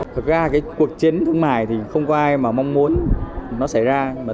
thực ra cuộc chiến thương mại thì không có ai mong muốn nó xảy ra